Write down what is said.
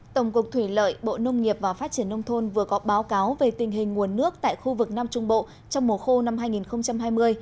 tổng cục thủy lợi bộ nông nghiệp và phát triển nông thôn vừa có báo cáo về tình hình nguồn nước tại khu vực nam trung bộ trong mùa khô năm hai nghìn hai mươi